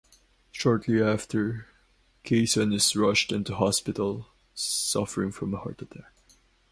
Shortly after, Kayson is rushed into hospital suffering from a heart attack.